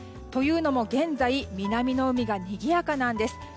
というのも現在南の海がにぎやかなんです。